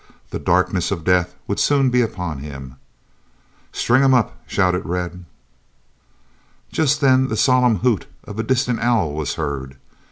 The darkness of death would soon be upon him. "String 'em up!" shouted Red. Just then the solemn hoot of a distant owl was heard.